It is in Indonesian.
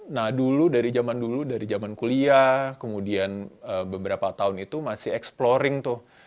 nah dulu dari zaman dulu dari zaman kuliah kemudian beberapa tahun itu masih exploring tuh